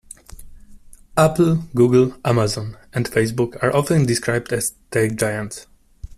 Apple, Google, Amazon and Facebook are often described as tech giants.